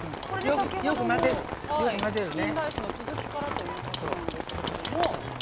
◆先ほどのチキンライスの続きからということなんですけれども。